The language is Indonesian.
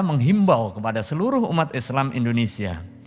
menghimbau kepada seluruh umat islam indonesia